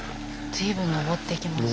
随分登っていきますね。